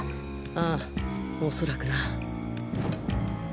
あぁおそらくな。